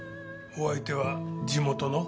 お相手は地元の？